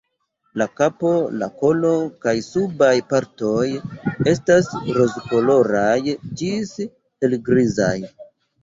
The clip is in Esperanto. La kapo, la kolo kaj subaj partoj estas rozkoloraj ĝis helgrizaj.